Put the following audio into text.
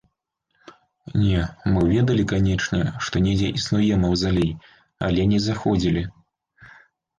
Не, мы ведалі, канечне, што недзе існуе маўзалей, але не заходзілі.